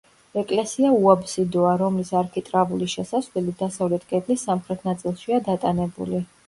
ეკლესია უაბსიდოა, რომლის არქიტრავული შესასვლელი დასავლეთ კედლის სამხრეთ ნაწილშია დატანებული.